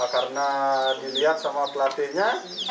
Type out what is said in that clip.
karena dilihat sama pelatihnya